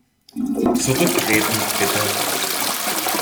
Zurücktreten, bitte!